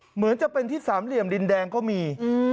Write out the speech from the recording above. เหมือนจะเป็นที่สามเหลี่ยมดินแดงก็มี